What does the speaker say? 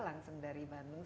langsung dari bandung